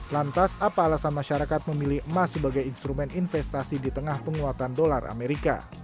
lantas apa alasan masyarakat memilih emas sebagai instrumen investasi di tengah penguatan dolar amerika